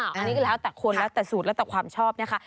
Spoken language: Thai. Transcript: อันนี้ก็แล้วแต่คนแล้วแต่สูตรแล้วแต่ความชอบนะคะ